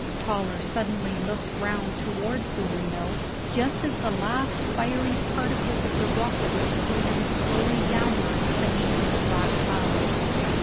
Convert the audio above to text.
Toller suddenly looked round towards the window, just as the last fiery particles of the rocket were floating slowly downwards against the black clouds.